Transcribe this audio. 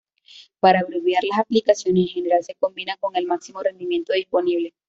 Para abreviar las aplicaciones, en general se combina con el máximo rendimiento disponible.